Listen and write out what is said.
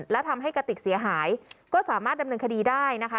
และทำให้กระติกเสียหายก็สามารถดำเนินคดีได้นะคะ